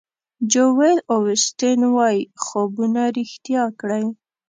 جویل اوسټین وایي خوبونه ریښتیا کړئ.